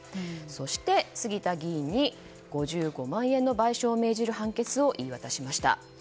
そして杉田議員に５５万円の賠償を命じる判決を言い渡しました。